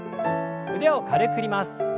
腕を軽く振ります。